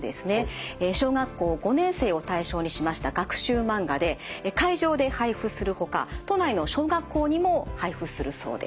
小学校５年生を対象にしました学習漫画で会場で配布するほか都内の小学校にも配布するそうです。